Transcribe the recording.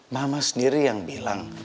mama sendiri yang bilang